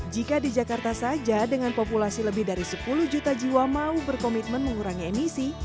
jika di jakarta saja dengan populasi lebih dari sepuluh juta jiwa mau berkomitmen mengurangi emisi